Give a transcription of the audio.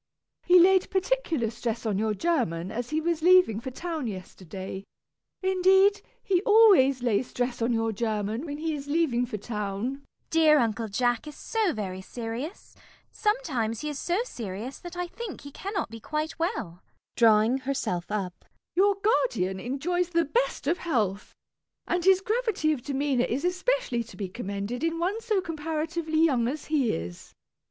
He laid particular stress on your German, as he was leaving for town yesterday. Indeed, he always lays stress on your German when he is leaving for town. CECILY. Dear Uncle Jack is so very serious! Sometimes he is so serious that I think he cannot be quite well. MISS PRISM. [Drawing herself up.] Your guardian enjoys the best of health, and his gravity of demeanour is especially to be commended in one so comparatively young as he is.